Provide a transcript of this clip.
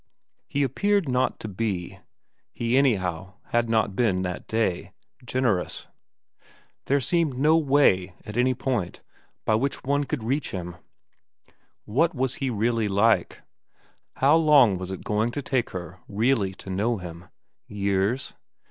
He appeared not to be he anyhow had not been that day generous. There seemed no way, at any point, by which one could reach liim. What was he really like ? How long was it going to take her really to know him ? Years